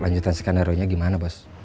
lanjutan skenario nya gimana bos